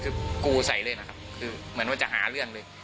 ช่วยเร่งจับตัวคนร้ายให้ได้โดยเร่ง